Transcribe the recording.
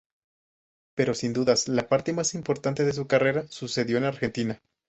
Pero sin dudas, la parte más importante de su carrera sucedió en Argentina.